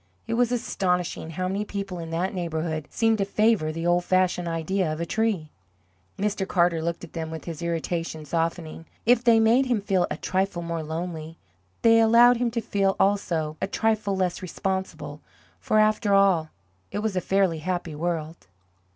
It was astonishing how many people in that neighbourhood seemed to favour the old fashioned idea of a tree. Mr. Carter looked at them with his irritation softening. If they made him feel a trifle more lonely, they allowed him to feel also a trifle less responsible for, after all, it was a fairly happy world.